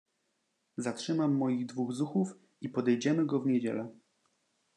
"zatrzymam moich dwóch zuchów i podejdziemy go w niedzielę."